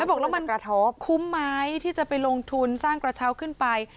บอกแล้วมันกระทบคุ้มไหมที่จะไปลงทุนสร้างกระเช้าขึ้นไป